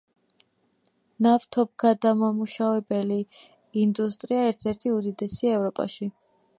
ნავთობგადამამუშავებელი ინდუსტრია ერთ-ერთი უდიდესია ევროპაში.